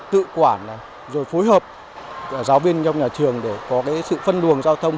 tự quản rồi phối hợp giáo viên trong nhà trường để có cái sự phân luồng giao thông